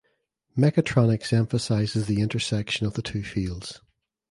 Mechatronics emphasizes the intersection of the two fields.